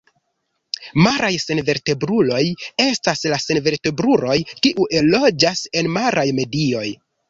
Maraj senvertebruloj estas la senvertebruloj kiuj loĝas en maraj medioj.